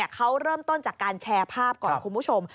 เขาเริ่มต้นจากการแชร์ภาพก่อนคุณผู้ชม